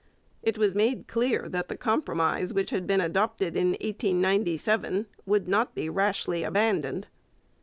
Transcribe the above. It was made clear that the compromise which had been adopted in 1897 would not be rashly abandoned.